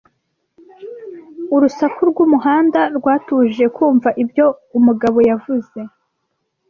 Urusaku rwumuhanda rwatubujije kumva ibyo umugabo yavuze.